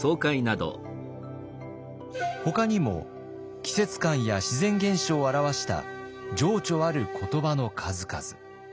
ほかにも季節感や自然現象を表した情緒ある言葉の数々。